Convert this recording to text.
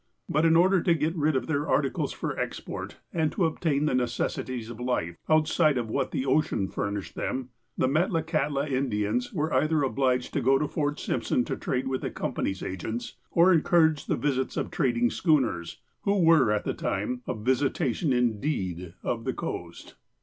But, in order to get rid of their articles for export, and to obtain the necessities of life, outside of what the ocean furnished them, the Metlakahtla Indians were either obliged to go to Fort Simpson to trade with the Company's agents, or encourage the visits of trading schooners, who were at the time '' a visitation indeed '' of the coast.